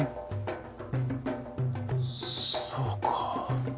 そうか。